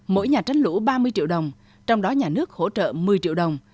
mỗi nhà tránh lũ ba mươi triệu đồng trong đó nhà nước hỗ trợ một mươi triệu đồng